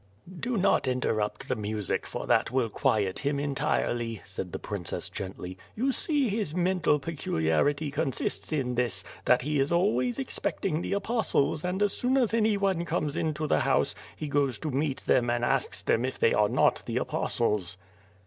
"Do not interrupt the music, for that will quiet him en tirely,^' said the princess gently. "You see his mental pecu liarity consists in this; that he is always expecting the apostles and as soon as anyone comes into the house, he goes to meet them and asks them if they are not the apostles.''